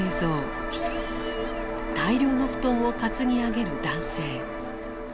大量の布団を担ぎ上げる男性。